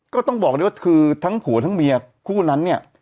ก็ต้องบอกเลยว่าคือทั้งผัวทั้งเมียคู่นั้นเนี่ย